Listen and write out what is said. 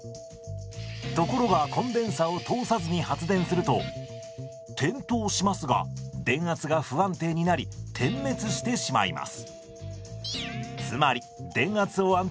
ところがコンデンサを通さずに発電すると点灯しますが電圧が不安定になり点滅してしまいます。